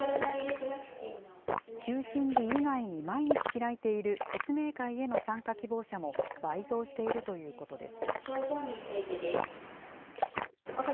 休診日以外に毎日開いている説明会への参加希望者も倍増しているということです。